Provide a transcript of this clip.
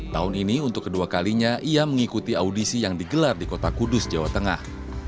tahun ini untuk kedua kalinya ia mengikuti audisi yang digelar di kota kudus jawa tengah